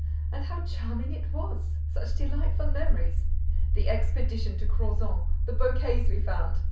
And how charming it was! Such delightful memories! The expedition to Crozant! The bouquets we found!